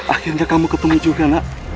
akhirnya kamu ketemu juga nak